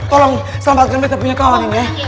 tolong selamatkan betta punya kawaning ya